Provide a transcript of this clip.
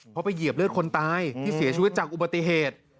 เพราะไปเหยียบเลือดคนตายที่เสียชีวิตจากอุบัติเหตุ